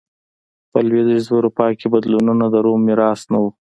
په لوېدیځه اروپا کې بدلونونه د روم میراث نه و